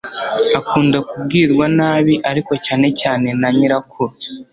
Akunda kubwirwa nabi ariko cyane cyane na nyirakuru,